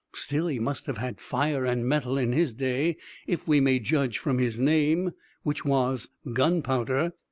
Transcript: Still he must have had fire and mettle in his day, if we may judge from his name, which was Gunpowder.